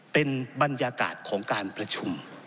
เป็นบรรยากาศของการประชุม